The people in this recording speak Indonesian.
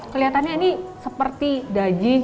kelihatannya ini seperti daging